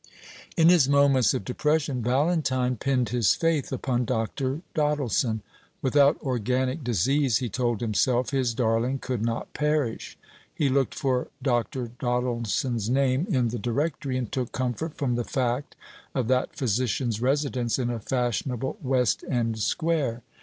In his moments of depression Valentine pinned his faith upon Dr. Doddleson. Without organic disease, he told himself, his darling could not perish. He looked for Dr. Doddleson's name in the Directory, and took comfort from the fact of that physician's residence in a fashionable West End square.